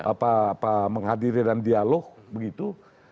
apa menghadiri dan dialog begitu